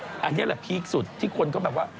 อันนี้เปี๋คสุดที่คนก็แบบว่า